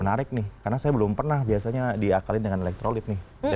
menarik nih karena saya belum pernah biasanya diakalin dengan elektrolit nih